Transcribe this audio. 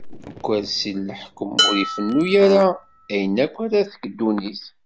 Akersi-s n leḥkwem ur ifennu ara ayen akk ara tekk ddunit.